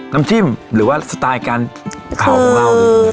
น้ำจิ้มหรือว่าสไตล์การเผาของเรา